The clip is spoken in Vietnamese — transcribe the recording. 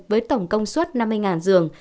với tổng công suất năm mươi giường